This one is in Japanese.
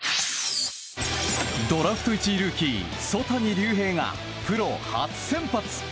ドラフト１位ルーキー曽谷龍平がプロ初先発。